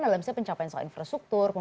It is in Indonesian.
adalah misalnya pencapaian soal infrastruktur